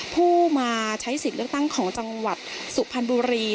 ผู้มาใช้สิทธิ์เลือกตั้งของจังหวัดสุพรรณบุรี